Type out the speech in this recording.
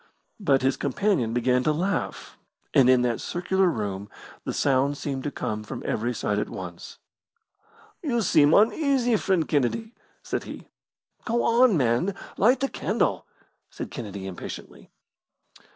But his companion began to laugh, and in that circular room the sound seemed to come from every side at once. "You seem uneasy, friend Kennedy," said he. "Go on, man, light the candle!" said Kennedy, impatiently.